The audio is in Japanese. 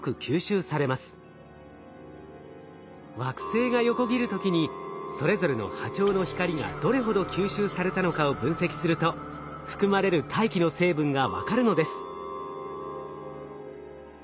惑星が横切る時にそれぞれの波長の光がどれほど吸収されたのかを分析すると含まれる大気の成分が分かるのです。